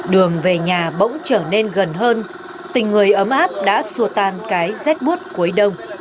đường về nhà bỗng trở nên gần hơn tình người ấm áp đã xua tan cái rét bút cuối đông